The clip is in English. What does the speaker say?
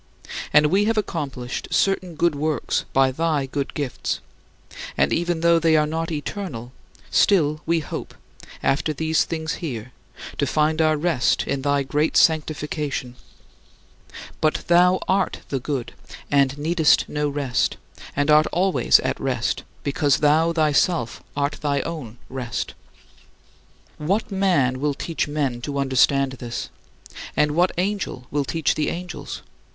And we have accomplished certain good works by thy good gifts, and even though they are not eternal, still we hope, after these things here, to find our rest in thy great sanctification. But thou art the Good, and needest no rest, and art always at rest, because thou thyself art thy own rest. What man will teach men to understand this? And what angel will teach the angels?